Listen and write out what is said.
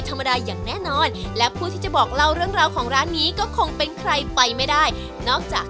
สวัสดีครับพี่ฮวยสวัสดีครับพี่อาหาร